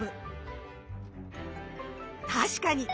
確かに！